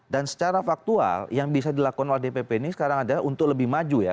dan secara faktual yang bisa dilakukan oleh dpp ini sekarang adalah untuk lebih maju ya